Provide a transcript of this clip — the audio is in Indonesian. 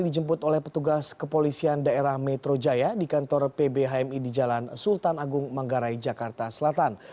dijemput oleh petugas kepolisian daerah metro jaya di kantor pb hmi di jalan sultan agung manggarai jakarta selatan